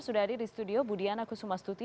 sudah hadir di studio budiana kusumastuti